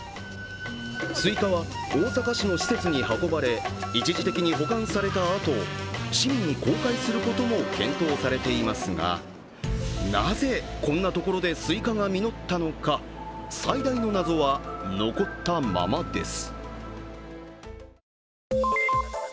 スイカは大阪市の施設に運ばれ一時的に保管されたあと市民に公開することも検討されていますがなぜ、こんなところでスイカが実ったのか、最大の謎は残ったままです。